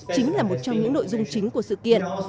chính là một trong những nội dung chính của sự kiện